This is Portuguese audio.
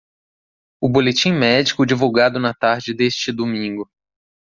O boletim médico divulgado na tarde deste domingo.